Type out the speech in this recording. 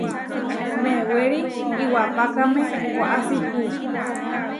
Mewéri iwapákame waʼási hu.